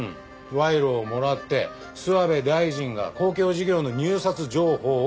賄賂をもらって諏訪部大臣が公共事業の入札情報を流したという疑惑です。